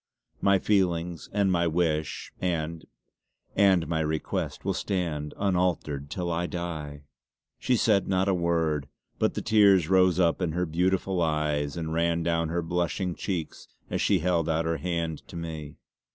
My feelings and my wish, and and my request will stand unaltered till I die!" She said not a word, but the tears rose up in her beautiful eyes and ran down her blushing cheeks as she held out her hand to me.